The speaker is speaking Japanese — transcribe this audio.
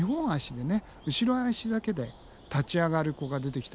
後ろ足だけで立ち上がる子が出てきたのね。